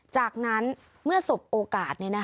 จากนั้นเมื่อสบโอกาส